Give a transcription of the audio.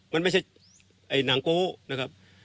มันไม่ใช่ไอ้หนังโก้นะครับ